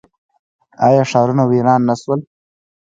آیا ښارونه ویران نه شول؟